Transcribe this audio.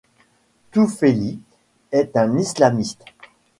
Toufeili est un islamiste.